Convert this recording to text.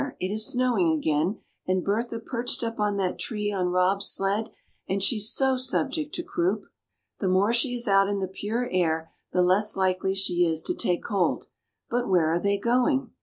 it is snowing again, and Bertha perched up on that tree on Rob's sled, and she so subject to croup!" "The more she is out in the pure air, the less likely she is to take cold; but where are they going?"